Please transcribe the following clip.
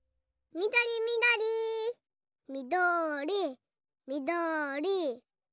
みどりみどりみどりみどり。